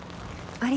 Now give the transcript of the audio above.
あれ？